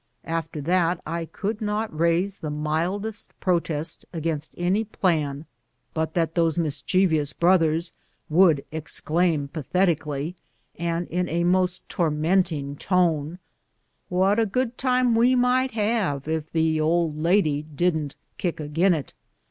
After that I could not raise the mildest protest against any plan but that those mis chievous brothers would exclaim pathetically, and in a most tormenting tone, " What a good time we might have if the old lady didn't kick agin it."